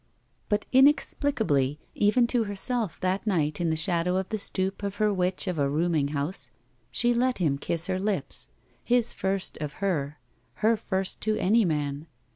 But inexplicably, even to herself, that night, in the shadow of the stoop of her witch of a rooming house, she let him kiss her lips. His first of her — her first to any man.